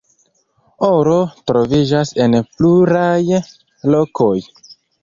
Oro troviĝas en pluraj lokoj.